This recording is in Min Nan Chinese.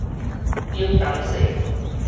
頂東勢